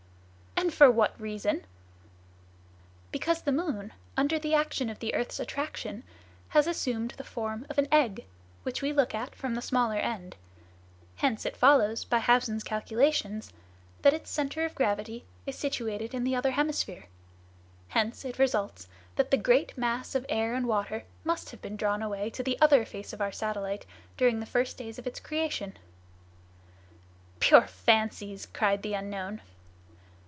"And for what reason?" "Because the moon, under the action of the earth's attraction, has assumed the form of an egg, which we look at from the smaller end. Hence it follows, by Hausen's calculations, that its center of gravity is situated in the other hemisphere. Hence it results that the great mass of air and water must have been drawn away to the other face of our satellite during the first days of its creation." "Pure fancies!" cried the unknown.